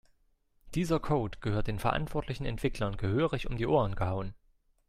Dieser Code gehört den verantwortlichen Entwicklern gehörig um die Ohren gehauen.